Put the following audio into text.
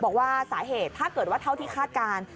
บอกว่าสาเหตุถ้าเกิดว่าเท่าที่คาดการณ์